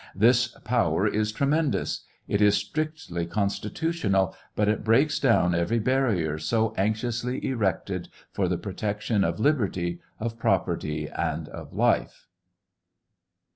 This power is tremendous ; it is strictly Constitutional, but it breaks down every barrier so anxiously erected for the protection of liberty, of property, and of life.